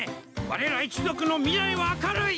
われら一族の未来は明るい！